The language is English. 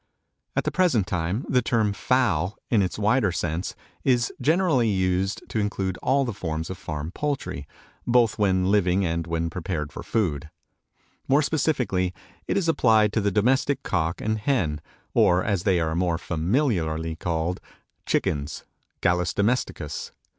At the present time the term fowl in its wider sense is generally used to include all the forms of farm poultry, both when living and when prepared for food. More specifically it is applied to the domestic cock and hen, or, as they are more familiarly called, chickens (Gallus domesticus).